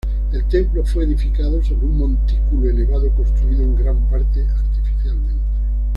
El templo fue edificado sobre un montículo elevado construido en gran parte artificialmente.